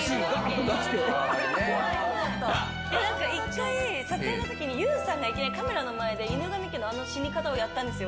なんか一回、撮影のときに、ＹＯＵさんがいきなりカメラの前で犬神家のあの死に方をやったんですよ。